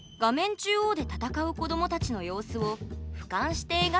中央で戦う子どもたちの様子をふかんして描くカット。